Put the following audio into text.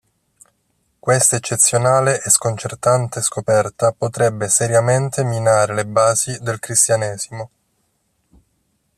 Questa eccezionale e sconcertante scoperta potrebbe seriamente minare le basi del Cristianesimo.